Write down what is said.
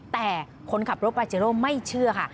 แต่คนขับรถปาเจโร่ไม่เชื่อค่ะ